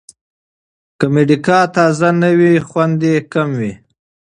که مډیګا تازه نه وي، خوند یې کم وي.